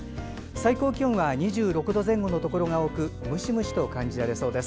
最高気温は２６度前後のところが多くムシムシと感じられそうです。